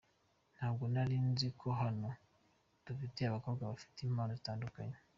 "Ntabwo nari nzi ko hano dufite abakobwa bafite impano zitandukanye.